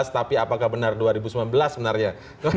tapi apakah benar dua ribu sembilan belas sebenarnya